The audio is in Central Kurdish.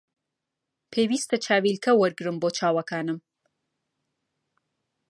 پێویستە چاویلکە وەرگرم بۆ چاوەکانم